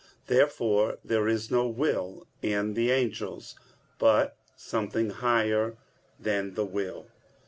Therefore there is no will in the angels, but something higher than the will.